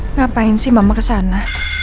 ngapain sih mama kesana